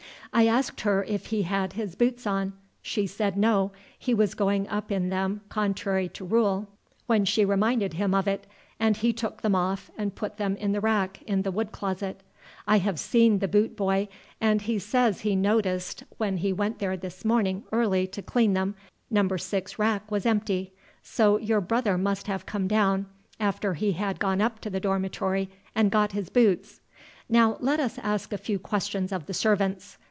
I asked her if he had his boots on. She said no; he was going up in them, contrary to rule, when she reminded him of it, and he took them off and put them in the rack in the wood closet. I have seen the boot boy, and he says he noticed when he went there this morning early to clean them, No. 6 rack was empty. So your brother must have come down, after he had gone up to the dormitory, and got his boots. "Now let us ask a few questions of the servants."